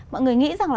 mọi người nghĩ rằng